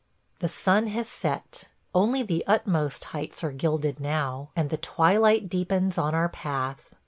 ... The sun has set; only the utmost heights are gilded now, and the twilight deepens on our path.